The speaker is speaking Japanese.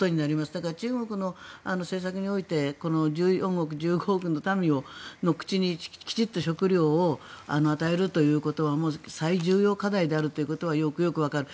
だから中国の政策において１４億、１５億の民の口にきちんと食料を与えるということは最重要課題であるということはよくよくわかる。